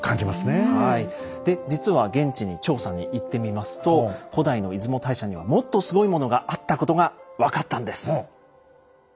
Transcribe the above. で実は現地に調査に行ってみますと古代の出雲大社にはもっとスゴイものがあったことが分かったんです。